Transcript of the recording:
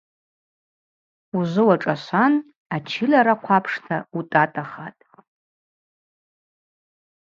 Ужвы уашӏашван ачыльа рахъва апшта утӏатӏахатӏ.